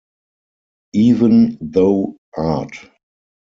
Even though Art.